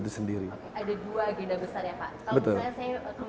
ada dua agenda besar ya pak kalau misalnya saya kembali kepada statement presiden jokowi